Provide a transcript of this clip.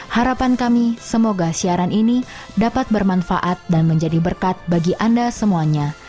harapan kami semoga siaran ini dapat bermanfaat dan menjadi berkat bagi anda semuanya